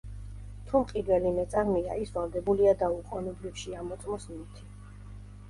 თუ მყიდველი მეწარმეა, ის ვალდებულია დაუყოვნებლივ შეამოწმოს ნივთი.